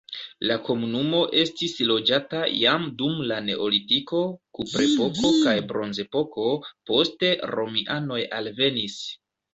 La komunumo estis loĝata jam dum la neolitiko, kuprepoko kaj bronzepoko, poste romianoj alvenis.